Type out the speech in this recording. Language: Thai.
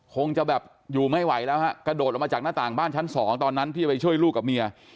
คงจะแบบอยู่ไม่ไหวแล้วฮะกระโดดออกมาจากหน้าต่างบ้านชั้นสองตอนนั้นที่จะไปช่วยลูกกับเมีย